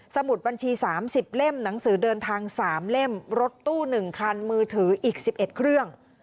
มุดบัญชี๓๐เล่มหนังสือเดินทาง๓เล่มรถตู้๑คันมือถืออีก๑๑เครื่อง